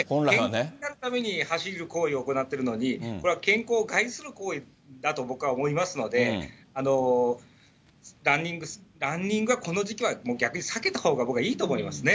元気になるために走る行為を行ってるのに、これは健康を害する行為だと僕は思いますので、ランニングはこの時期は、もう逆に避けたほうが僕はいいと思いますね。